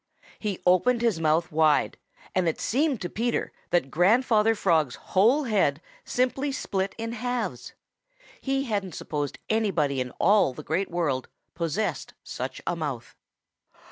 He opened his mouth wide, and it seemed to Peter that Grandfather Frog's whole head simply split in halves. He hadn't supposed anybody in all the Great World possessed such a mouth.